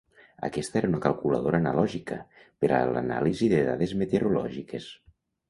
Aquesta era una calculadora analògica per a l'anàlisi de dades meteorològiques.